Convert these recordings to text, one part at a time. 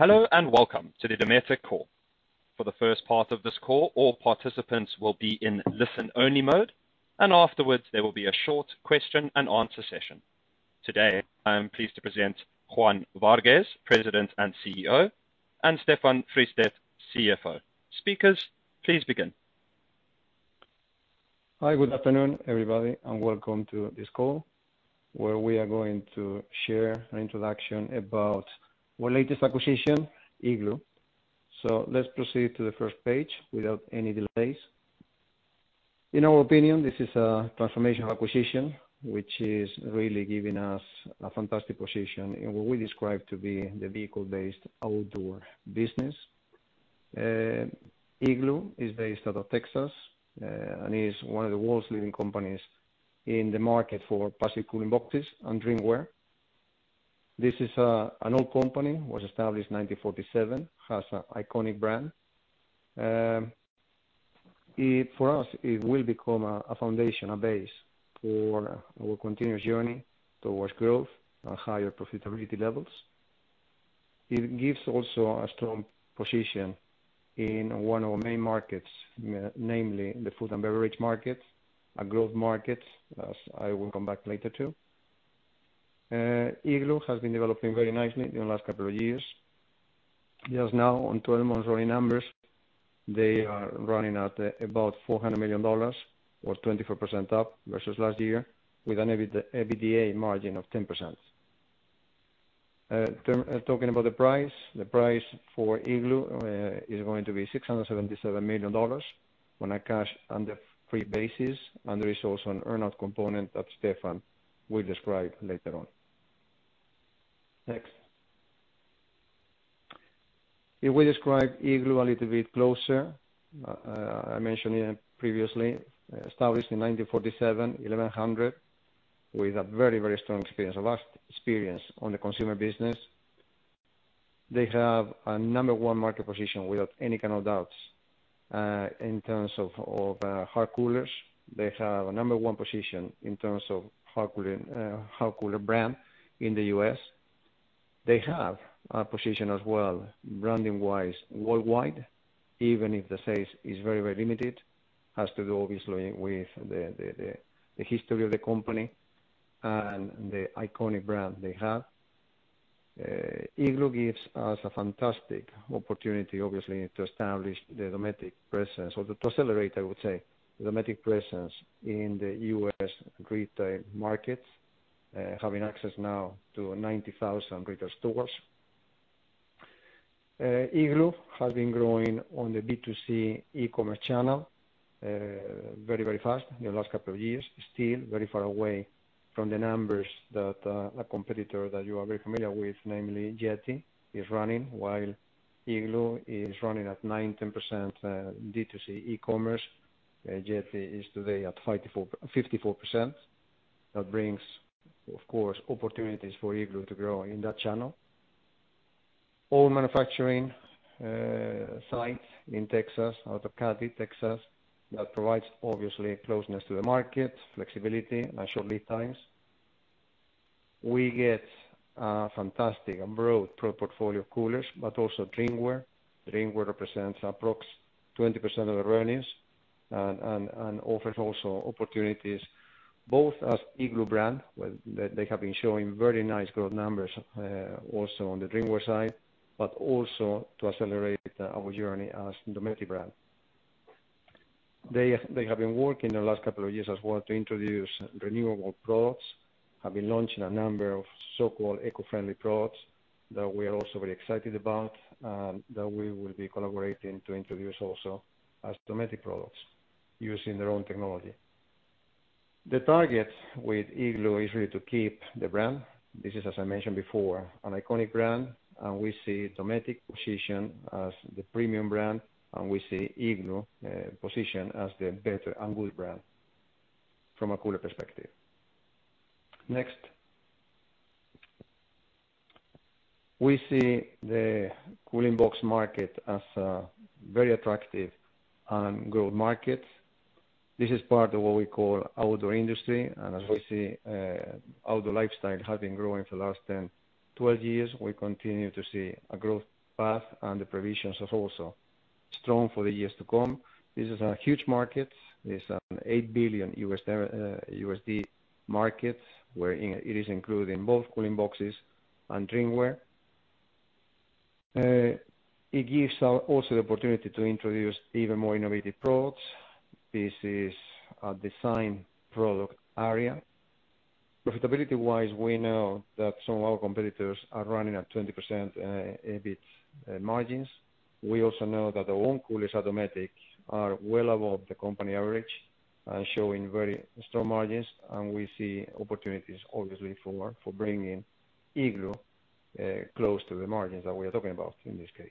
Hello, and welcome to the Dometic call. For the first part of this call, all participants will be in listen-only mode, and afterwards, there will be a short question and answer session. Today, I am pleased to present Juan Vargues, President and CEO, and Stefan Fristedt, CFO. Speakers, please begin. Hi. Good afternoon, everybody, and welcome to this call, where we are going to share an introduction about our latest acquisition, Igloo. So let's proceed to the first page without any delays. In our opinion, this is a transformational acquisition, which is really giving us a fantastic position in what we describe to be the vehicle-based outdoor business. Igloo is based out of Texas, and is one of the world's leading companies in the market for passive cooling boxes and drinkware. This is an old company, was established in 1947, has an iconic brand. For us, it will become a foundation, a base for our continuous journey towards growth and higher profitability levels. It gives also a strong position in one of our main markets, namely the food and beverage market, a growth market, as I will come back later to. Igloo has been developing very nicely in the last couple of years. Just now, on 12-month running numbers, they are running at about $400 million or 24% up versus last year, with an EBITDA margin of 10%. Talking about the price, the price for Igloo is going to be $677 million on a cash and debt-free basis, and there is also an earn-out component that Stefan will describe later on. Next. If we describe Igloo a little bit closer, I mentioned it previously, established in 1947, 1,100 with a very strong experience, a vast experience on the consumer business. They have a number one market position without any kind of doubts. In terms of hard coolers, they have a number one position in terms of hard cooler brand in the U.S.. They have a position as well, branding wise, worldwide, even if the sales is very, very limited. Has to do, obviously, with the history of the company and the iconic brand they have. Igloo gives us a fantastic opportunity, obviously, to establish the Dometic presence or to accelerate, I would say, Dometic presence in the U.S. retail market, having access now to 90,000 retail stores. Igloo has been growing on the B2C e-commerce channel very fast in the last couple of years. Still very far away from the numbers that a competitor that you are very familiar with, namely Yeti, is running. While, Igloo is running at 90% B2C e-commerce, Yeti is today at 54%. That brings, of course, opportunities for Igloo to grow in that channel. All manufacturing sites in Texas, out of Katy, Texas, that provides obviously closeness to the market, flexibility, and short lead times. We get a fantastic and broad product portfolio of coolers, but also drinkware. Drinkware represents approx 20% of the earnings and offers also opportunities both as Igloo brand, they have been showing very nice growth numbers also on the drinkware side, but also to accelerate our journey as Dometic brand. They have been working the last couple of years as well to introduce renewable products, have been launching a number of so-called eco-friendly products that we are also very excited about, and that we will be collaborating to introduce also as Dometic products using their own technology. The target with Igloo is really to keep the brand. This is, as I mentioned before, an iconic brand, and we see Dometic positioned as the premium brand, and we see Igloo positioned as the better and good brand from a cooler perspective. Next. We see the cooling box market as a very attractive and growth market. This is part of what we call outdoor industry. As we see, outdoor lifestyle has been growing for the last 10, 12 years. We continue to see a growth path, and the provisions are also strong for the years to come. This is a huge market. It's an $8 billion market, wherein it is including both cooling boxes and drinkware. It gives us also the opportunity to introduce even more innovative products. This is a design product area. Profitability-wise, we know that some of our competitors are running at 20% EBIT margins. We also know that our own coolers at Dometic are well above the company average and showing very strong margins, and we see opportunities, obviously, for bringing Igloo close to the margins that we are talking about in this case.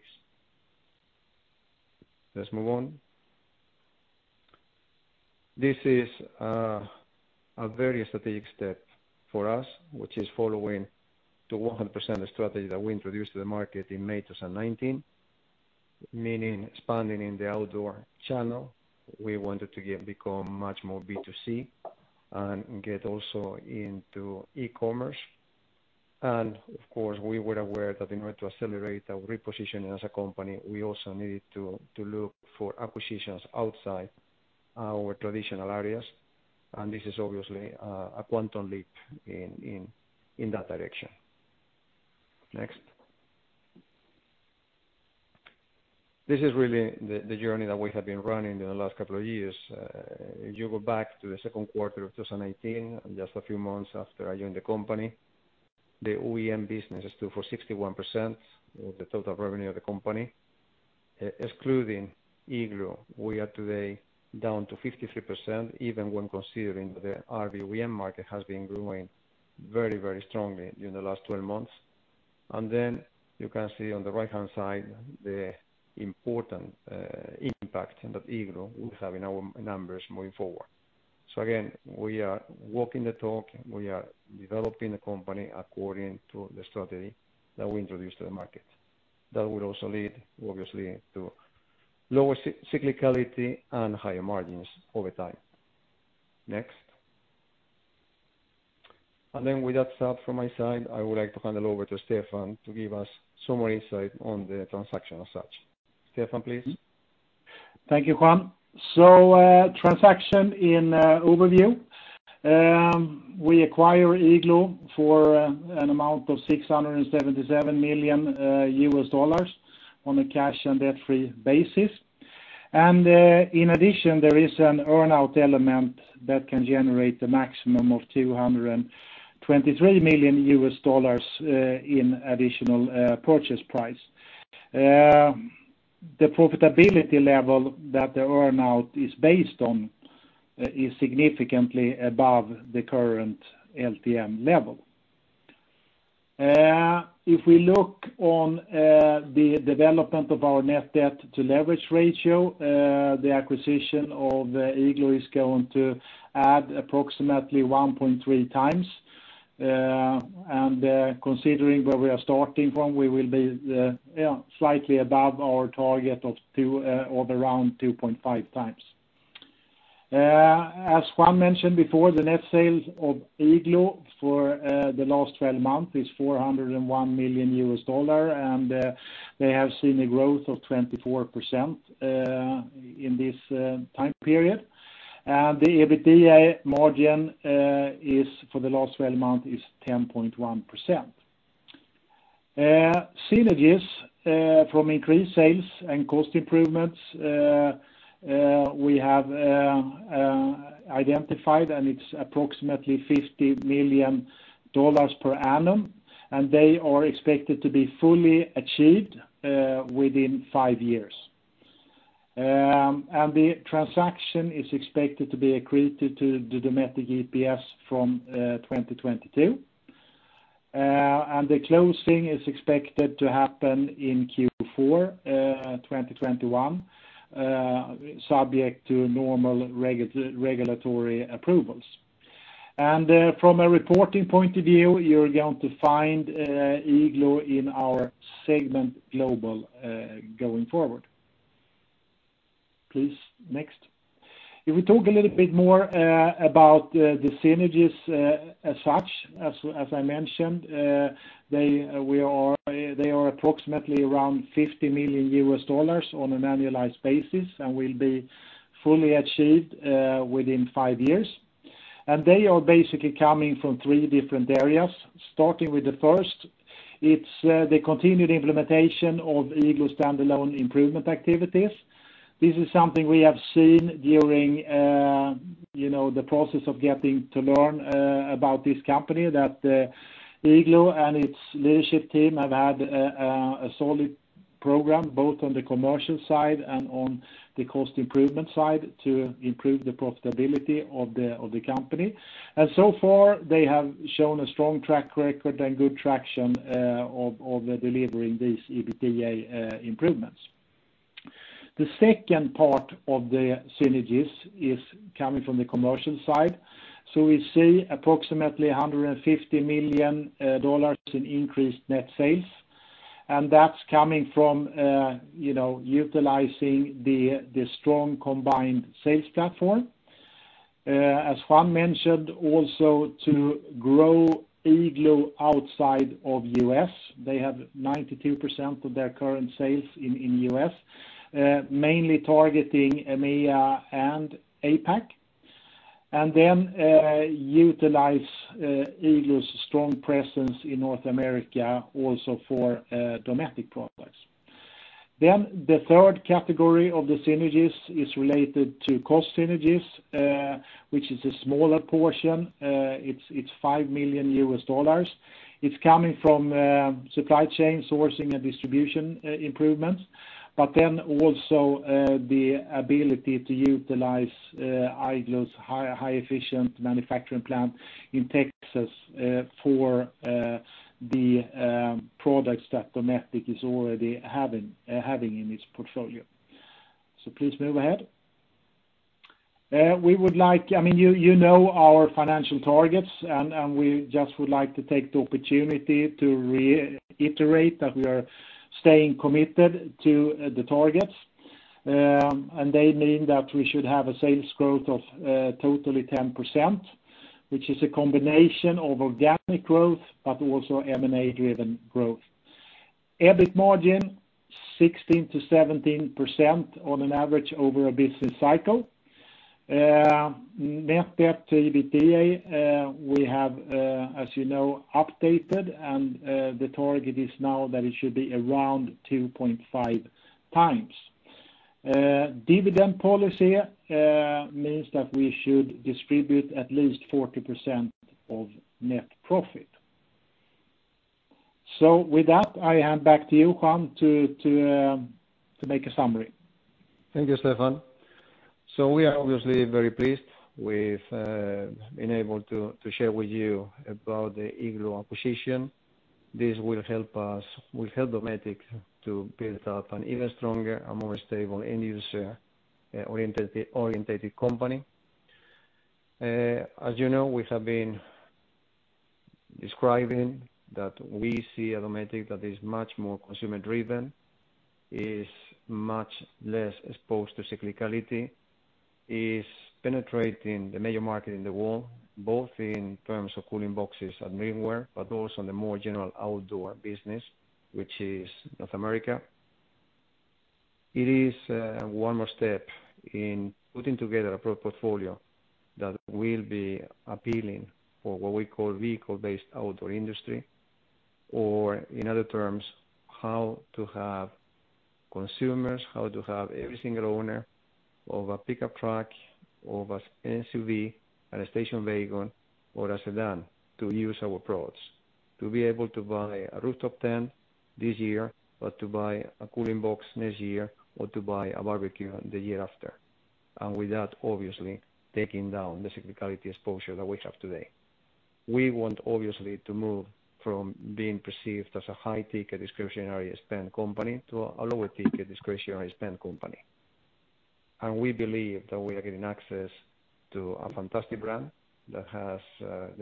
Let's move on. This is a very strategic step for us, which is following the 100% strategy that we introduced to the market in May 2019. Meaning expanding in the outdoor channel. We wanted to become much more B2C and get also into e-commerce. Of course, we were aware that in order to accelerate our repositioning as a company, we also needed to look for acquisitions outside our traditional areas, and this is obviously a quantum leap in that direction. Next. This is really the journey that we have been running in the last couple of years. If you go back to the second quarter of 2018, and just a few months after I joined the company, the OEM business stood for 61% of the total revenue of the company. Excluding Igloo, we are today down to 53%, even when considering the RV OEM market has been growing very strongly in the last 12 months. And then, you can see on the right-hand side, the important impact that Igloo will have in our numbers moving forward. So again, we are walking the talk, and we are developing the company according to the strategy that we introduced to the market. That will also lead, obviously, to lower cyclicality and higher margins over time. Next. With that said from my side, I would like to hand it over to Stefan to give us some more insight on the transaction as such. Stefan, please. Thank you, Juan. Transaction in overview. We acquire Igloo for an amount of $677 million on a cash and debt-free basis. In addition, there is an earn-out element that can generate a maximum of $223 million in additional purchase price. The profitability level that the earn-out is based on is significantly above the current LTM level. If we look on the development of our net debt to EBITDA ratio, the acquisition of Igloo is going to add approximately 1.3x. Considering where we are starting from, we will be slightly above our target of around 2.5x. As Juan mentioned before, the net sales of Igloo for the last 12 months is $401 million, and they have seen a growth of 24% in this time period. The EBITDA margin, for the last 12 months, is 10.1%. Synergies from increased sales and cost improvements, we have identified, it's approximately $50 million per annum, they are expected to be fully achieved within five years. The transaction is expected to be accretive to the Dometic EPS from 2022. The closing is expected to happen in Q4 2021, subject to normal regulatory approvals. From a reporting point of view, you're going to find Igloo in our segment Global going forward. Please, next. If we talk a little bit more about the synergies as such, as I mentioned, they are approximately around $50 million on an annualized basis and will be fully achieved within five years. They are basically coming from three different areas, starting with the first. It's the continued implementation of Igloo standalone improvement activities. This is something we have seen during, you know, the process of getting to learn about this company, that Igloo and its leadership team have had a solid program, both on the commercial side and on the cost improvement side, to improve the profitability of the company. And so far, they have shown a strong track record and good traction of delivering these EBITDA improvements. The second part of the synergies is coming from the commercial side. So we see approximately $150 million in increased net sales, and that's coming from, you know, utilizing the strong combined sales platform. As Juan mentioned, also to grow Igloo outside of U.S., they have 92% of their current sales in U.S., mainly targeting EMEA and APAC. And then, utilize Igloo's strong presence in North America also for Dometic products. The third category of the synergies is related to cost synergies, which is a smaller portion. It's $5 million. It's coming from supply chain sourcing and distribution improvements, but then also the ability to utilize Igloo's high efficient manufacturing plant in Texas for the products that Dometic is already having in its portfolio. Please move ahead. You know our financial targets, and we just would like to take the opportunity to reiterate that we are staying committed to the targets. They mean that we should have a sales growth of totally 10%, which is a combination of organic growth, but also M&A-driven growth. EBIT margin 16%-17% on an average over a business cycle. Net debt to EBITDA, we have, as you know, updated, and the target is now that it should be around 2.5x. Dividend policy means that we should distribute at least 40% of net profit. With that, I hand back to you, Juan, to make a summary. Thank you, Stefan. So we are obviously very pleased with being able to share with you about the Igloo acquisition. This will help Dometic to build up an even stronger and more stable end-user orientated company. As you know, we have been describing that we see a Dometic that is much more consumer-driven, is much less exposed to cyclicality, is penetrating the major market in the world, both in terms of cooling boxes and drinkware, but also in the more general outdoor business, which is North America. It is one more step in putting together a product portfolio that will be appealing for what we call vehicle-based outdoor industry, or in other terms, how to have consumers, how to have every single owner of a pickup truck, of an SUV and a station wagon or a sedan, to use our products. To be able to buy a rooftop tent this year, or to buy a cooling box next year, or to buy a barbecue the year after. With that, obviously, taking down the cyclicality exposure that we have today. We want obviously to move from being perceived as a high-ticket discretionary spend company to a lower-ticket discretionary spend company. We believe that we are getting access to a fantastic brand. There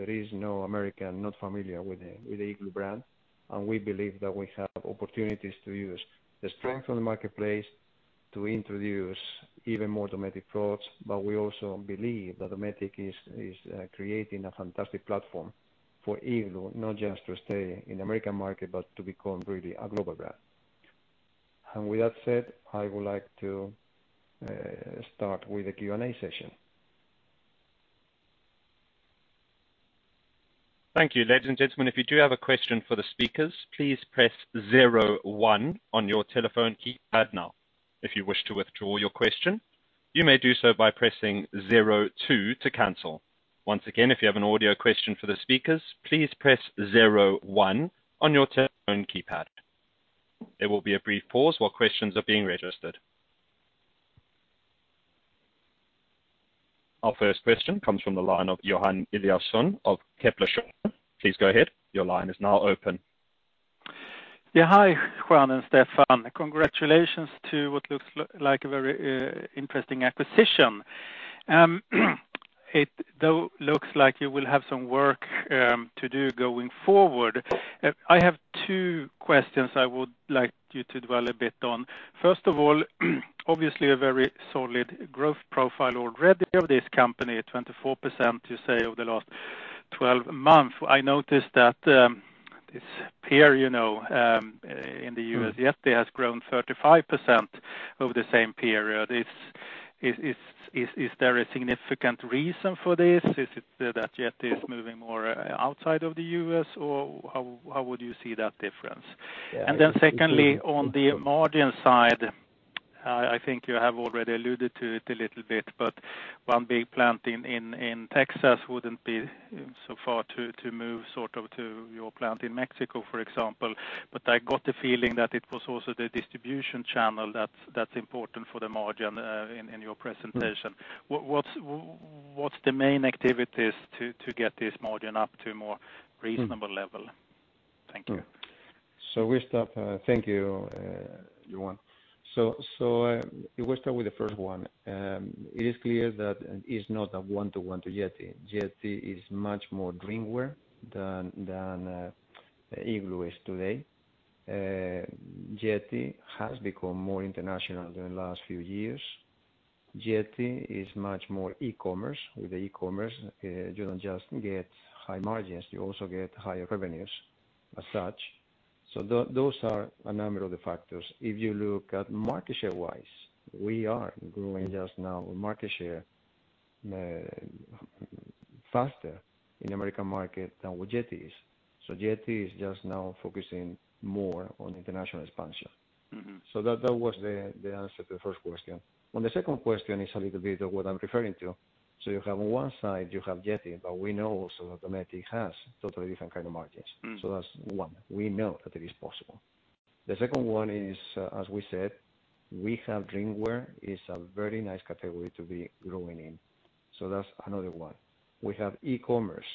is no American not familiar with the Igloo brand, and we believe that we have opportunities to use the strength on the marketplace to introduce even more Dometic products. We also believe that Dometic is creating a fantastic platform for Igloo, not just to stay in the American market, but to become really a global brand. With that said, I would like to start with the Q&A session. Thank you. Ladies and gentlemen, if you do have a question for the speakers, please press zero one on your telephone keypad now. If you wish to withdraw your question, you may do so by pressing zero two to cancel. Once again, if you have an audio question for the speakers, please press zero one on your telephone keypad. There will be a brief pause while questions are being registered. Our first question comes from the line of Johan Eliason of Kepler Cheuvreux. Please go ahead. Your line is now open. Yeah. Hi, Juan and Stefan. Congratulations to what looks like a very interesting acquisition. It though looks like you will have some work to do going forward. I have two questions I would like you to dwell a bit on. First of all, obviously a very solid growth profile already of this company, 24% you say, over the last 12 months. I noticed that this peer, in the U.S., Yeti, has grown 35% over the same period. Is there a significant reason for this? Is it that Yeti is moving more outside of the U.S., or how would you see that difference? Yeah. Secondly, on the margin side, I think you have already alluded to it a little bit, but one big plant in Texas wouldn't be so far to move, sort of, to your plant in Mexico, for example. I got the feeling that it was also the distribution channel that's important for the margin in your presentation. What's the main activities to get this margin up to a more reasonable level? Thank you. We start. Thank you, Johan. We start with the first one. It is clear that it's not a one-to-one to Yeti. Yeti is much more drinkware than Igloo is today. Yeti has become more international during the last few years. Yeti is much more e-commerce. With the e-commerce, you don't just get high margins, you also get higher revenues as such. Those are a number of the factors. If you look at market share-wise, we are growing just now market share faster in American market than what Yeti is. Yeti is just now focusing more on international expansion. Mm-hmm. That was the answer to the first question. On the second question is a little bit of what I'm referring to. You have one side, you have Yeti. We know also that Dometic has totally different kind of margins. Mm-hmm. So that's one. We know that it is possible. The second one is, as we said, we have drinkware. It's a very nice category to be growing in. That's another one. We have e-commerce,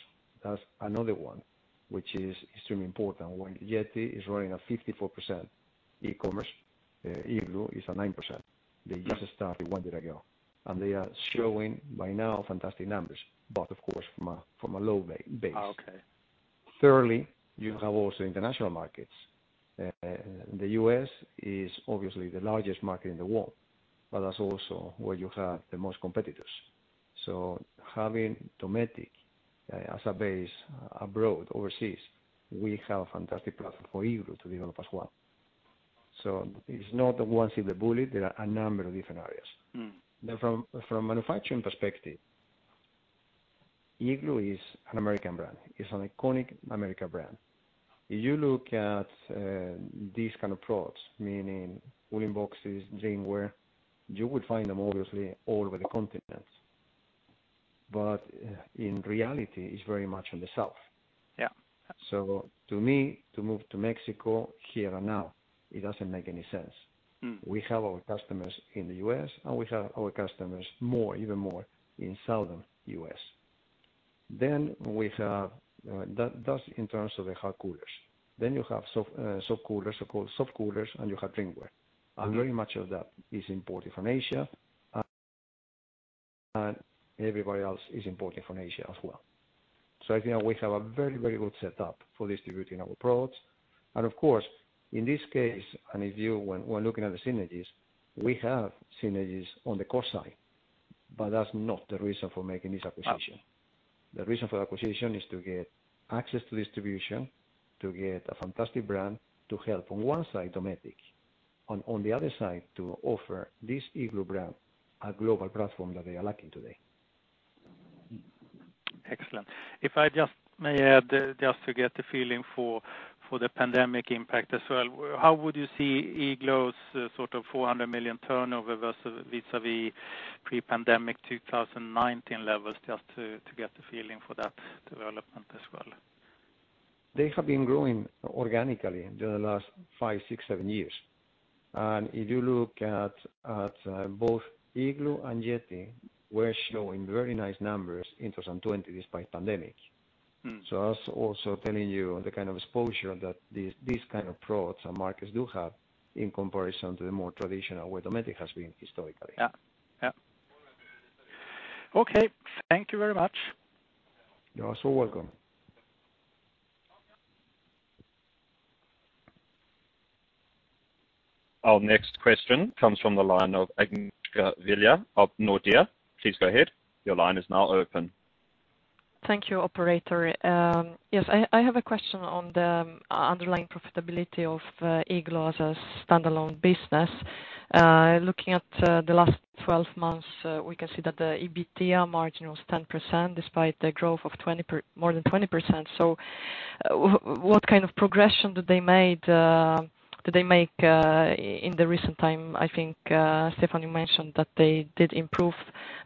that's another one, which is extremely important when Yeti is running at 54% e-commerce, Igloo is at 9%. They just started one year ago, and they are showing by now fantastic numbers. But of course, from a low base. Okay. Thirdly, you have also international markets. The U.S. is obviously the largest market in the world, but that's also where you have the most competitors. Having Dometic as a base abroad, overseas, we have a fantastic platform for Igloo to develop as well. It's not the ones in the bullet, there are a number of different areas. Mm. From manufacturing perspective, Igloo is an American brand, is an iconic American brand. If you look at these kind of products, meaning cooling boxes, drinkware, you will find them obviously all over the continents, but in reality, it's very much in the south. Yeah. To me, to move to Mexico here and now, it doesn't make any sense. Mm. We have our customers in the U.S., and we have our customers even more in southern U.S.. That's in terms of the hard coolers. Then you have soft coolers, and you have drinkware. I'm doing very much of that is imported from Asia, and everybody else is imported from Asia as well. I think we have a very good setup for distributing our products. And of course, in this case, and if you were looking at the synergies, we have synergies on the cost side, but that's not the reason for making this acquisition. Oh. The reason for the acquisition is to get access to distribution, to get a fantastic brand, to help, on one side, Dometic, and on the other side, to offer this Igloo brand a global platform that they are lacking today. Excellent. If I just may add, just to get the feeling for the pandemic impact as well, how would you see Igloo's sort of 400 million turnover vis-a-vis pre-pandemic 2019 levels, just to get a feeling for that development as well? They have been growing organically during the last five, six, seven years. If you look at both Igloo and Yeti, were showing very nice numbers in 2020, despite pandemic. Mm-hmm. That's also telling you the kind of exposure that these kind of products and markets do have in comparison to the more traditional way Dometic has been historically. Yeah. Okay. Thank you very much. You are so welcome. Our next question comes from the line of Agnieszka Vilela of Nordea. Please go ahead. Your line is now open. Thank you, operator. Yes, I have a question on the underlying profitability of Igloo as a standalone business. Looking at the last 12 months, we can see that the EBITDA margin was 10%, despite the growth of more than 20% so. What kind of progression did they make in the recent time? I think, Stefan, you mentioned that they did improve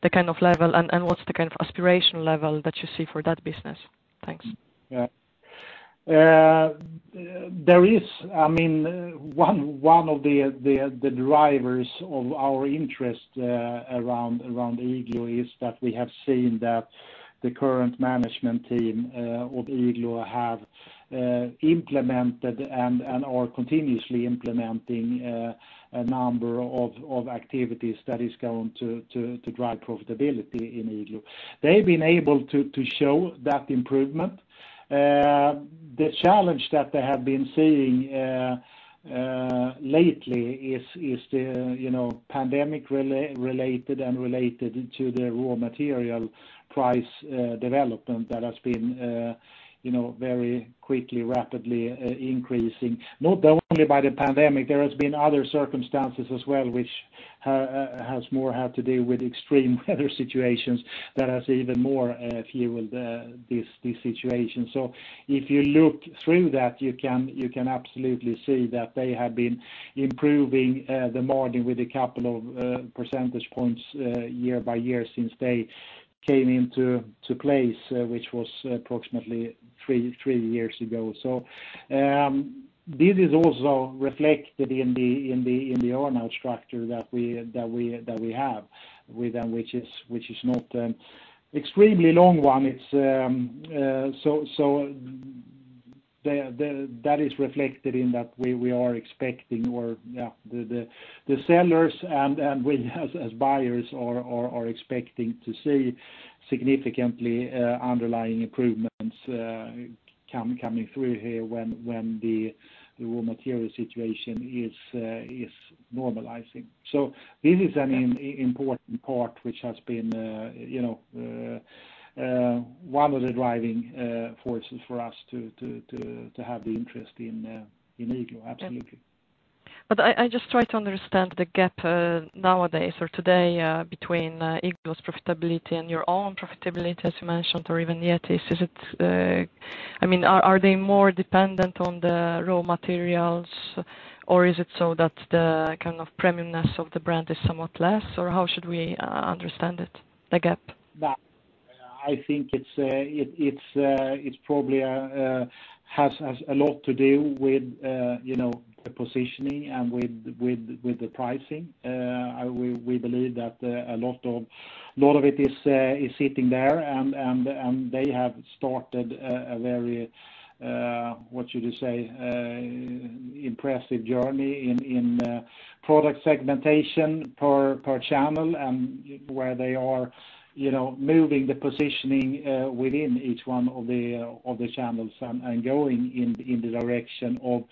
the kind of level, and what's the kind of aspirational level that you see for that business? Thanks. Yeah. I mean, one of the drivers of our interest around Igloo is that we have seen that the current management team of Igloo have implemented and are continuously implementing a number of activities that is going to drive profitability in Igloo. They've been able to show that improvement. The challenge that they have been seeing lately is the pandemic-related and related to the raw material price development that has been very quickly, rapidly increasing, not only by the pandemic. There has been other circumstances as well, which has more had to do with extreme weather situations that has even more fueled this situation. So if you look through that, you can absolutely see that they have been improving the margin with a couple of percentage points year-by-year since they came into place, which was approximately three years ago. This is also reflected in the earn-out structure that we have with them, which is not extremely long one. That is reflected in that we are expecting, the sellers and we as buyers are expecting to see significantly underlying improvements coming through here when the raw material situation is normalizing. This is an important part which has been, you know, one of the driving forces for us to have the interest in Igloo. Absolutely. I just try to understand the gap nowadays or today between Igloo's profitability and your own profitability, as you mentioned, or even Yeti's. I mean, are they more dependent on the raw materials, or is it so that the kind of premiumness of the brand is somewhat less, or how should we understand it, the gap? I think it probably has a lot to do with the positioning and with the pricing. We believe that a lot of it is sitting there and they have started a very, what should you say, impressive journey in product segmentation per channel, and where they are moving the positioning within each one of the channels and going in the direction of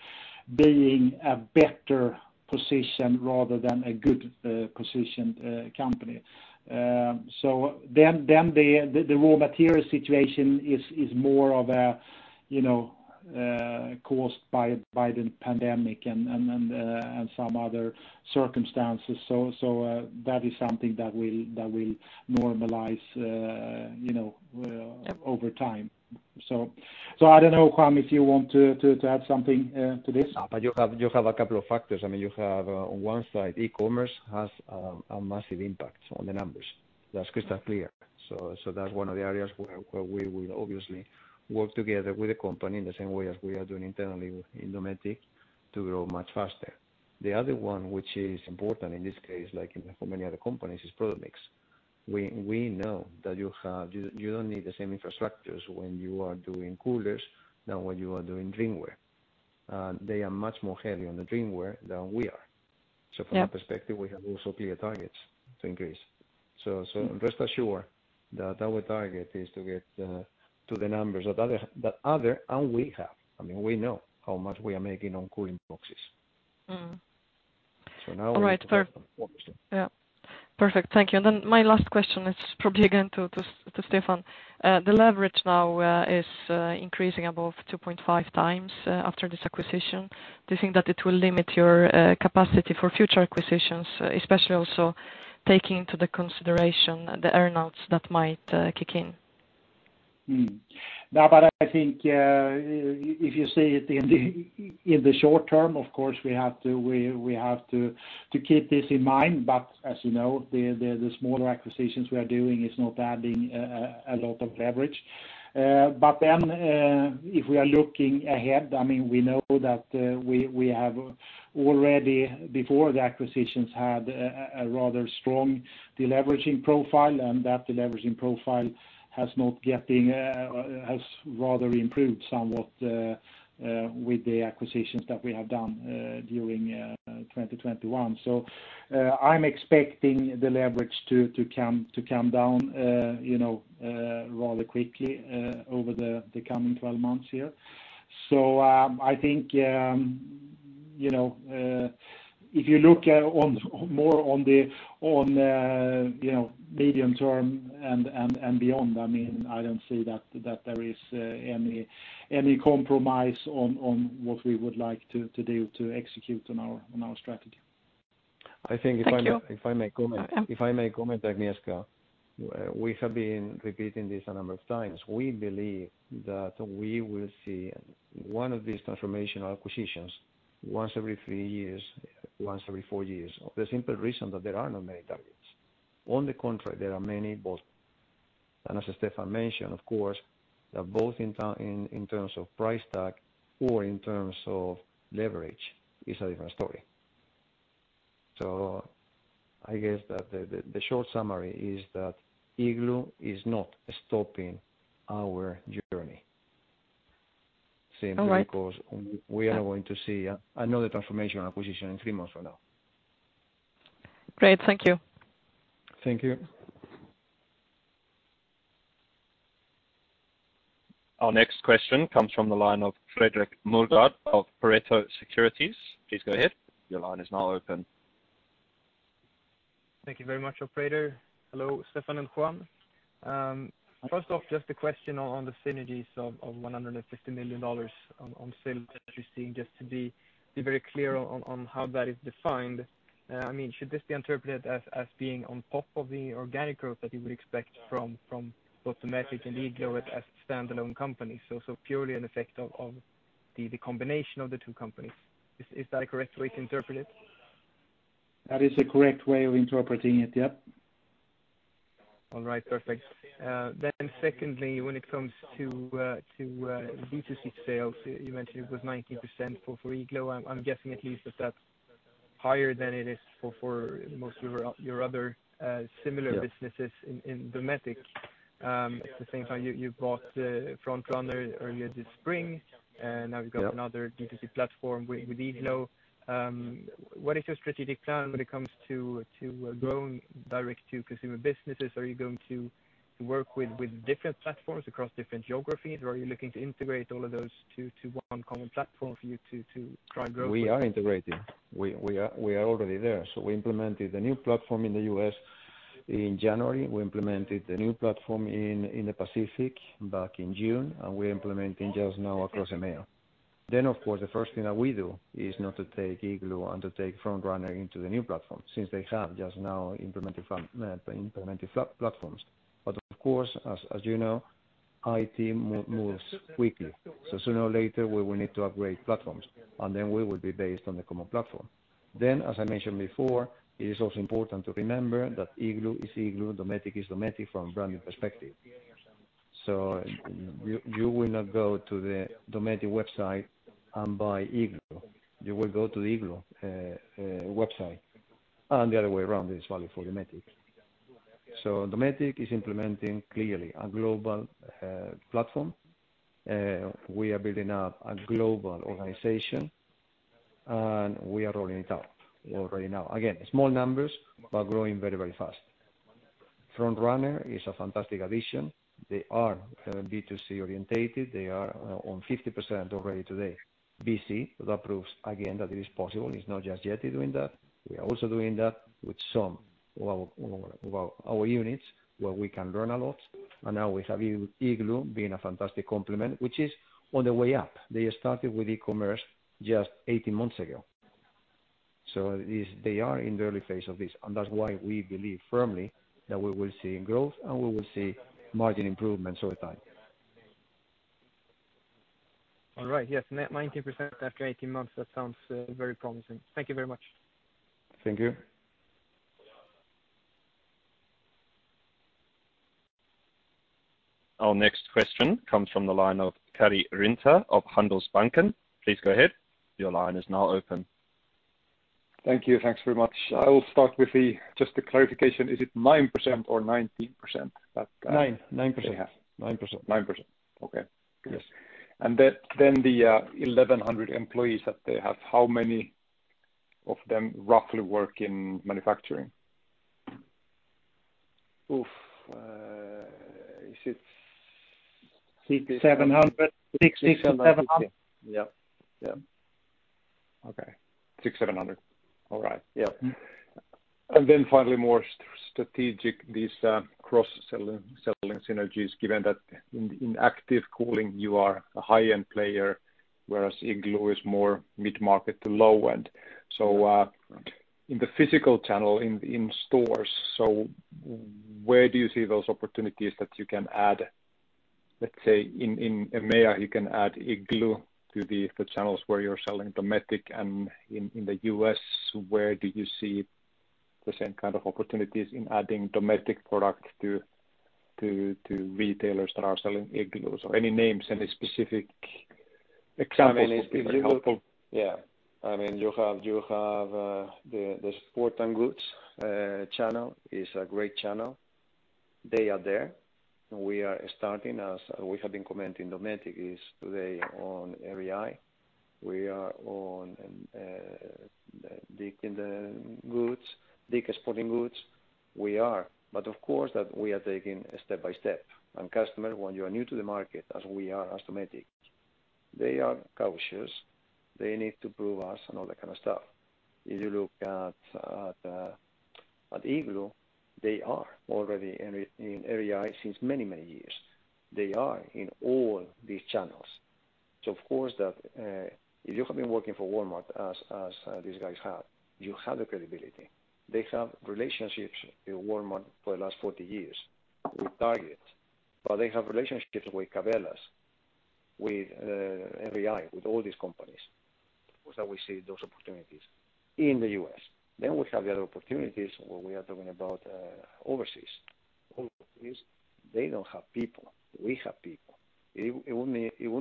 being a better position rather than a good positioned company. The raw material situation is more, you know, caused by the pandemic and some other circumstances. That is something that will normalize over time. I don't know, Juan, if you want to add something to this. You have a couple of factors. You have on one side, e-commerce has a massive impact on the numbers. That's crystal clear. That's one of the areas where we will obviously work together with the company in the same way as we are doing internally in Dometic to grow much faster. The other one, which is important in this case, like in many other companies, is product mix. We know that you don't need the same infrastructures when you are doing coolers than when you are doing drinkware. They are much more heavy on the drinkware than we are. Yeah. From that perspective, we have also clear targets to increase. Rest assure that our target is to get to the numbers. We know how much we are making on cooling boxes. Mm-hmm. All right. Now we need to focus. Yeah. Perfect. Thank you. My last question is probably again to Stefan. The leverage now is increasing above 2.5x after this acquisition. Do you think that it will limit your capacity for future acquisitions, especially also taking into the consideration the earn-outs that might kick in? No, I think if you see it in the short term, of course, we have to keep this in mind. As you know, the smaller acquisitions we are doing is not adding a lot of leverage. If we are looking ahead, we know that we have already, before the acquisitions, had a rather strong deleveraging profile, and that deleveraging profile has rather improved somewhat with the acquisitions that we have done during 2021. I'm expecting the leverage to come down, you know, rather quickly over the coming 12 months here. I think, you know, if you look more on the, you know, medium term and beyond, I don't see that there is any compromise on what we would like to do to execute on our strategy. Thank you. If I may comment, Agnieszka, we have been repeating this a number of times. We believe that we will see one of these transformational acquisitions once every three years, once every four years. The simple reason that there are not many targets. On the contrary, there are many both. As Stefan mentioned, of course, both in terms of price tag or in terms of leverage is a different story. So I guess that the short summary is that Igloo is not stopping our journey. All right. Same thing, because we are going to see another transformational acquisition in three months from now. Great. Thank you. Thank you. Our next question comes from the line of Fredrik Moregard of Pareto Securities. Please go ahead. Thank you very much, operator. Hello, Stefan and Juan. First off, just a question on the synergies of $150 million on sales that you're seeing, just to be very clear on how that is defined. Should this be interpreted as being on top of the organic growth that you would expect from both Dometic and Igloo as standalone companies? Purely an effect of the combination of the two companies. Is that a correct way to interpret it? That is a correct way of interpreting it. Yep. All right. Perfect. Secondly, when it comes to B2C sales, you mentioned it was 19% for Igloo. I'm guessing at least that's higher than it is for most of your other similar businesses in Dometic. The same time, you bought Front Runner earlier this spring, and now you've got another B2C platform with Igloo. What is your strategic plan when it comes to growing direct-to-consumer businesses? Are you going to work with different platforms across different geographies, or are you looking to integrate all of those to one common platform for you to drive growth? We are integrating. We are already there. We implemented a new platform in the U.S. in January. We implemented a new platform in the Pacific back in June, and we're implementing just now across EMEA. Of course, the first thing that we do is not to take Igloo and to take Front Runner into the new platform, since they have just now implemented platforms. Of course, as you know, IT moves quickly. Sooner or later we will need to upgrade platforms, and then we will be based on the common platform. Then, as I mentioned before, it is also important to remember that Igloo is Igloo, Dometic is Dometic from branding perspective. You will not go to the Dometic website and buy Igloo. You will go to the Igloo website, and the other way around is valid for Dometic. So Dometic is implementing clearly a global platform. We are building up a Global organization, and we are rolling it out already now. Again, small numbers, but growing very fast. Front Runner is a fantastic addition. They are B2C orientated. They are on 50% already today B2C. That proves again that it is possible. It's not just Yeti doing that. We are also doing that with some of our units where we can learn a lot. And now we have Igloo being a fantastic complement, which is on the way up. They started with e-commerce just 18 months ago. They are in the early phase of this, and that's why we believe firmly that we will see growth and we will see margin improvements over time. All right. Yes. 19% after 18 months. That sounds very promising. Thank you very much. Thank you. Our next question comes from the line of Karri Rinta of Handelsbanken. Please go ahead. Youre line is open. Thank you. Thanks very much. I will start with just a clarification. Is it 9% or 19% that— 9%. 9%? Okay. Good. Yes. The 1,100 employees that they have, how many of them roughly work in manufacturing? Oof! 6,700. 6,700. Yeah. Okay, 6,700. All right. Yeah. Finally, more strategic, these cross-selling synergies, given that in active cooling you are a high-end player, whereas Igloo is more mid-market to low-end. In the physical channel, in stores, where do you see those opportunities that you can add, let's say in EMEA, you can add Igloo to the channels where you're selling Dometic and in the U.S., where do you see the same kind of opportunities in adding Dometic product to retailers that are selling Igloos or any names, any specific examples would be very helpful. Yeah. I mean, you have the sporting goods channel is a great channel. They are there. We are starting as we have been commenting, Dometic is today on REI. We are on Dick's Sporting Goods. We are. But of course, that we are taking step by step. Customer, when you are new to the market as we are as Dometic, they are cautious. They need to prove us and all that kind of stuff. If you look at Igloo, they are already in REI since many years. They are in all these channels. Of course, if you have been working for Walmart as these guys have, you have the credibility. They have relationships with Walmart for the last 40 years, with Target, but they have relationships with Cabela's, with REI, with all these companies. Of course, that we see those opportunities in the U.S.. We have the other opportunities where we are talking about overseas. Overseas, they don't have people. We have people. It would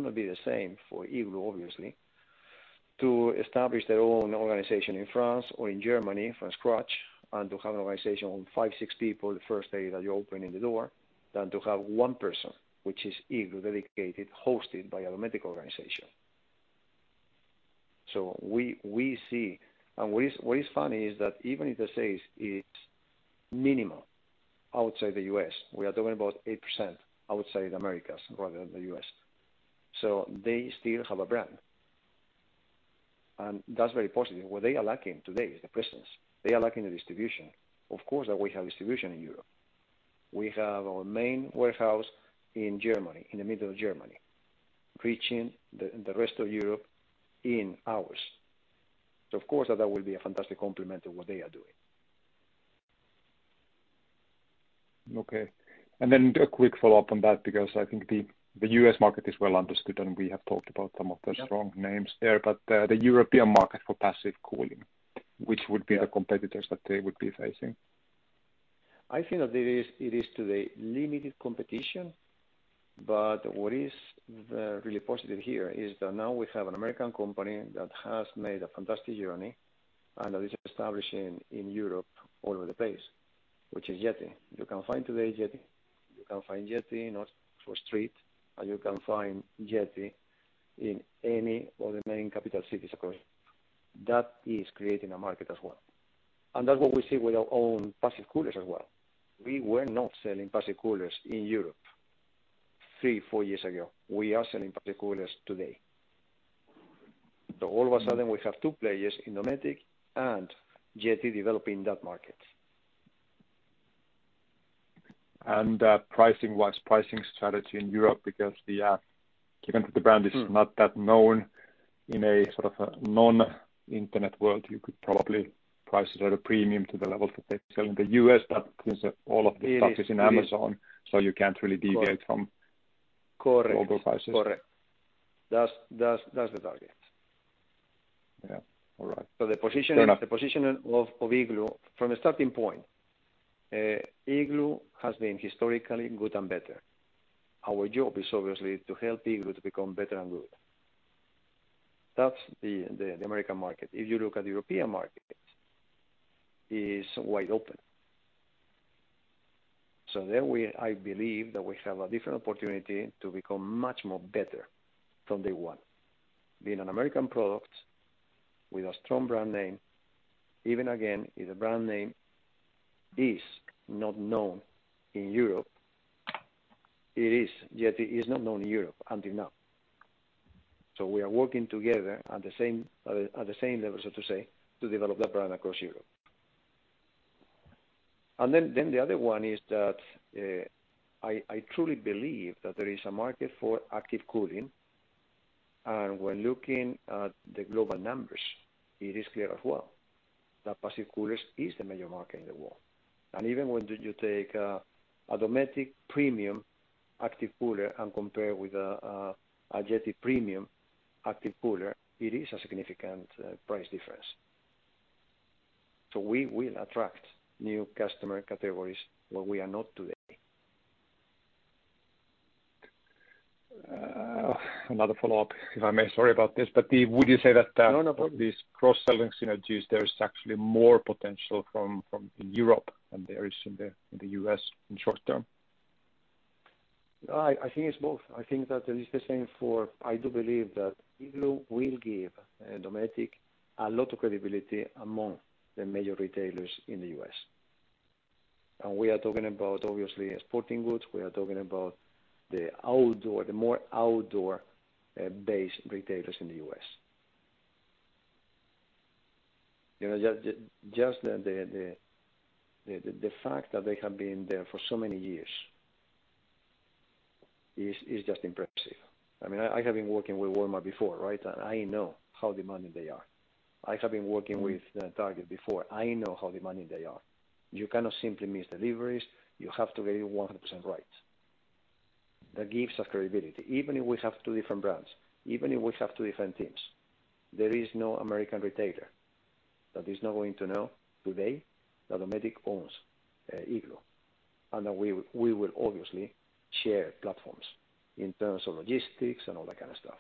not be the same for Igloo, obviously, to establish their own organization in France or in Germany from scratch and to have an organization of five, six people the first day that you're opening the door than to have one person, which is Igloo dedicated, hosted by a Dometic organization. We see, and what is funny is that even if the sales is minimal outside the U.S., we are talking about 8% outside Americas rather than the U.S.. They still have a brand. That's very positive. What they are lacking today is the presence. They are lacking the distribution. Of course, that we have distribution in Europe. We have our main warehouse in Germany, in the middle of Germany, reaching the rest of Europe in hours. Of course, that will be a fantastic complement to what they are doing. Okay. A quick follow-up on that, because I think the U.S. market is well understood, and we have talked about some of the strong names there. The European market for passive cooling, which would be the competitors that they would be facing? I think that it is today limited competition, but what is really positive here is that now we have an American company that has made a fantastic journey and that is establishing in Europe all over the place, which is Yeti. You can find today Yeti, you can find Yeti in Oxford Street, and you can find Yeti in any of the main capital cities across. That is creating a market as well. And that's what we see with our own passive coolers as well. We were not selling passive coolers in Europe three, four years ago. We are selling passive coolers today. All of a sudden we have two players in Dometic and Yeti developing that market. Pricing-wise, pricing strategy in Europe, given that the brand is not that known in a sort of non-internet world, you could probably price it at a premium to the levels that they sell in the U.S.. Since all of the stuff is in Amazon, you can't really deviate from— Correct. global prices? Correct. That's the target. Yeah. All right. The positioning of Igloo, from a starting point, Igloo has been historically good and better. Our job is obviously to help Igloo to become better and good. That's the American market. If you look at the European market, is wide open. So, I believe that we have a different opportunity to become much more better from day one. Being an American product with a strong brand name, even again, is a brand name, is not known in Europe. Yet it is not known in Europe until now. We are working together at the same level, so to say, to develop that brand across Europe. Then, the other one is that, I truly believe that there is a market for active cooling. When looking at the global numbers, it is clear as well that passive coolers is the major market in the world. Even when you take a Dometic premium active cooler and compare with a Yeti premium active cooler, it is a significant price difference. We will attract new customer categories where we are not today. Another follow-up, if I may. Sorry about this. No problem. Is these cross-selling synergies, there is actually more potential from in Europe than there is in the U.S. in short term? I think it's both. I think that it is the same for, I do believe that Igloo will give Dometic a lot of credibility among the major retailers in the U.S.. We are talking about, obviously, sporting goods. We are talking about the more outdoor-based retailers in the U.S.. Just the fact that they have been there for so many years is just impressive. I have been working with Walmart before, right? I know how demanding they are. I have been working with Target before. I know how demanding they are. You cannot simply miss deliveries. You have to get it 100% right. That gives us credibility. Even if we have two different brands, even if we have two different teams, there is no American retailer that is not going to know today that Dometic owns Igloo, and that we will obviously share platforms in terms of logistics and all that kind of stuff.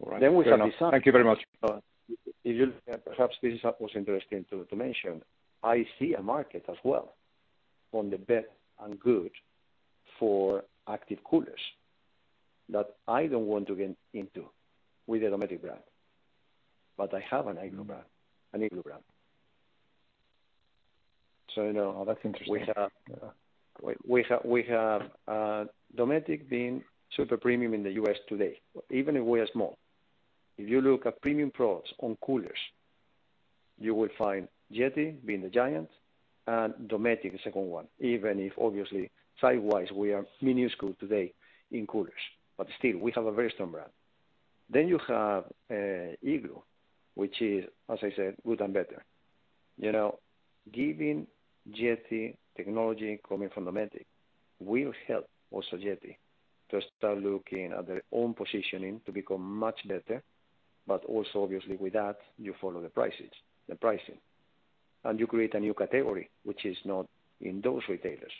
All right. Thank you very much. Perhaps this was interesting to mention, I see a market as well on the best and good for active coolers that I don't want to get into with a Dometic brand, but I have an Igloo brand. Oh, that's interesting. We have Dometic being super premium in the U.S. today, even if we are small. If you look at premium products on coolers, you will find Yeti being the giant and Dometic the second one, even if obviously size-wise, we are minuscule today in coolers. Still, we have a very strong brand. You have Igloo, which is, as I said, good and better. You know, giving Yeti technology coming from Dometic will help also Yeti to start looking at their own positioning to become much better. Also, obviously with that, you follow the pricing, and you create a new category, which is not in those retailers.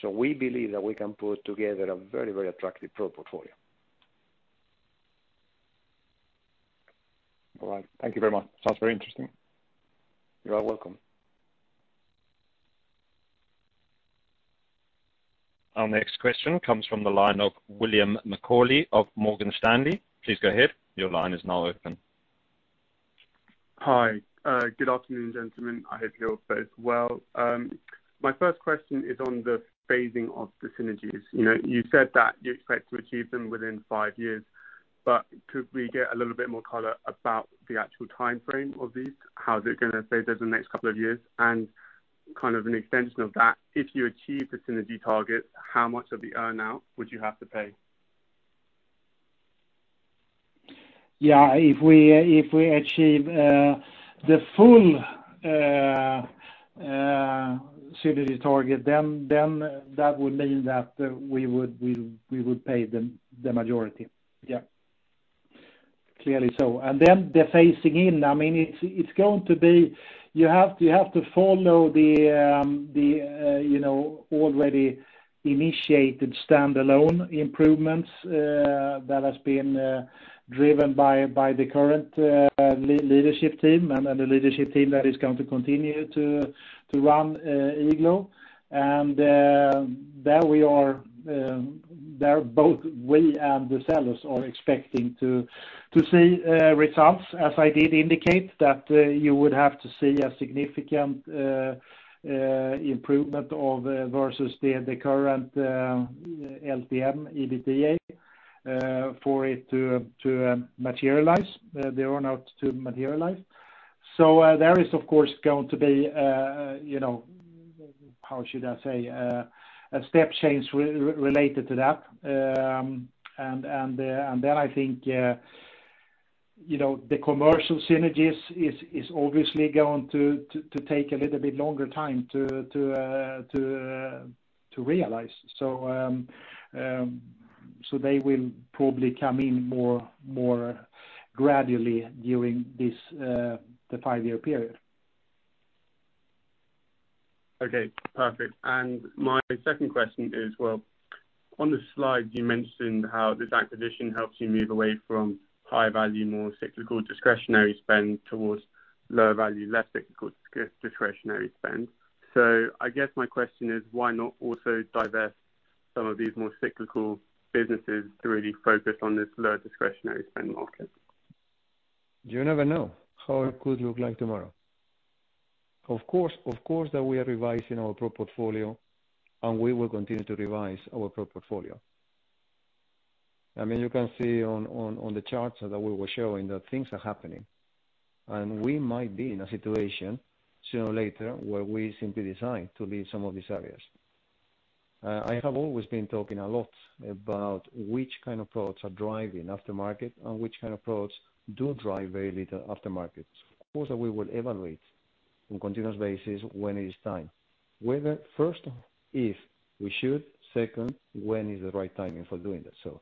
So, we believe that we can put together a very, very attractive pro portfolio. All right. Thank you very much. Sounds very interesting. You are welcome. Our next question comes from the line of [Philip William McCauley] of Morgan Stanley. Please go ahead. Hi. Good afternoon, gentlemen. I hope you're both well. My first question is on the phasing of the synergies. You said that you expect to achieve them within five years, but could we get a little bit more color about the actual timeframe of these? How is it gonna phase over the next couple of years? Kind of an extension of that, if you achieve the synergy target, how much of the earn-out would you have to pay? If we achieve the full synergy target, then that would mean that we would pay the majority. Clearly so. The phasing in, it's going to be you have to follow the already initiated standalone improvements, that has been driven by the current leadership team and the leadership team that is going to continue to run Igloo. Both we and the sellers are expecting to see results, as I did indicate that you would have to see a significant improvement versus the current LTM EBITDA for it to materialize, the earn-out to materialize. There is, of course, going to be, you know, how should I say? A step change related to that. And then, I think the commercial synergies is obviously going to take a little bit longer time to realize. They will probably come in more gradually during the five-year period. Okay, perfect. My second question is, well, on the slide you mentioned how this acquisition helps you move away from high value, more cyclical discretionary spend towards lower value, less cyclical discretionary spend. I guess my question is, why not also divest some of these more cyclical businesses to really focus on this lower discretionary spend market? You never know how it could look like tomorrow. Of course, that we are revising our product portfolio, and we will continue to revise our product portfolio. I mean, you can see on the charts that we were showing that things are happening. We might be in a situation sooner or later where we simply decide to leave some of these areas. I have always been talking a lot about which kind of products are driving aftermarket and which kind of products do drive very little aftermarket. Of course, that we will evaluate on continuous basis when it is time. Whether first, if we should. Second, when is the right timing for doing that.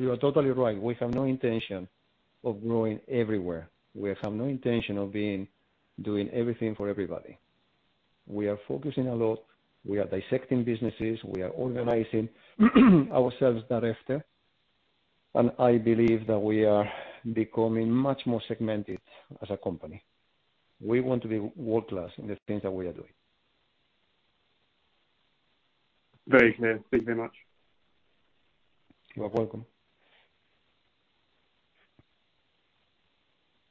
You are totally right. We have no intention of growing everywhere. We have no intention of doing everything for everybody. We are focusing a lot. We are dissecting businesses. We are organizing ourselves thereafter, and I believe that we are becoming much more segmented as a company. We want to be world-class in the things that we are doing. Very clear. Thank you very much. You are welcome.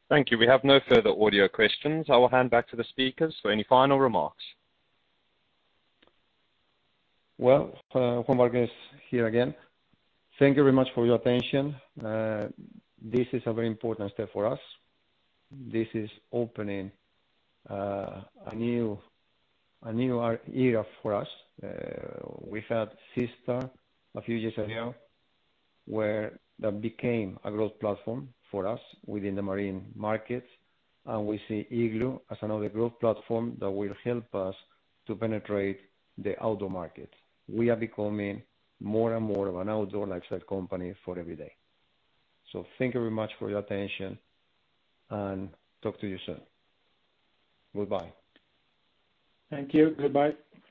Thank you. We have no further audio questions. I will hand back to the speakers for any final remarks. Well, Juan Vargues here again. Thank you very much for your attention. This is a very important step for us. This is opening a new era for us. We had SeaStar a few years ago, where that became a growth platform for us within the marine market, and we see Igloo as another growth platform that will help us to penetrate the outdoor market. We are becoming more and more of an outdoor lifestyle company for every day. Thank you very much for your attention and talk to you soon. Goodbye. Thank you. Goodbye. Bye.